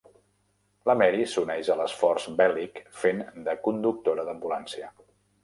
La Mary s'uneix a l'esforç bèl·lic fent de conductora d'ambulància.